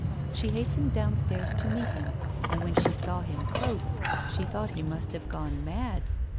She hastened downstairs to meet him, and when she saw him close to, she thought he must have gone mad.